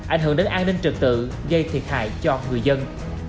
ảnh hưởng đến an ninh trực tự gây thiệt hại cho người dân